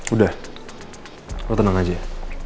udah lo tenang aja